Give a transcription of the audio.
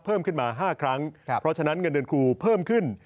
เพิ่มขึ้นมา๕ครั้งเพราะฉะนั้นเงินเดือนครูเพิ่มขึ้น